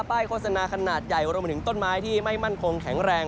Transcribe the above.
โฆษณาขนาดใหญ่รวมไปถึงต้นไม้ที่ไม่มั่นคงแข็งแรง